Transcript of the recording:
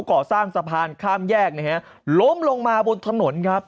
ก่อสร้างสะพานข้ามแยกนะฮะล้มลงมาบนถนนครับ